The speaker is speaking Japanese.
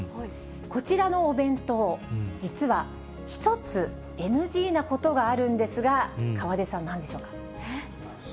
こちらのお弁当、実は１つＮＧなことがあるんですが、１つですか？